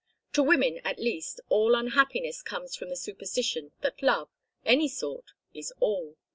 To women, at least, all unhappiness comes from the superstition that love any sort is all.